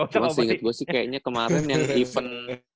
cuman seinget gue sih kayaknya kemarin yang event